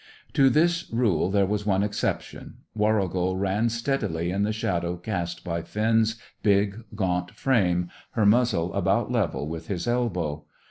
To this rule there was one exception. Warrigal ran steadily in the shadow cast by Finn's big, gaunt frame, her muzzle about level with his elbow.